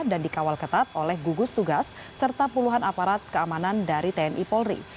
dan dikawal ketat oleh gugus tugas serta puluhan aparat keamanan dari tni polri